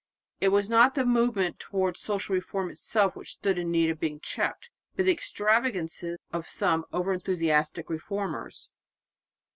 It was not the movement towards social reform itself which stood in need of being checked, but the extravagances of some over enthusiastic reformers.